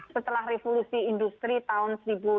setelah revolusi industri tahun seribu delapan ratus lima puluh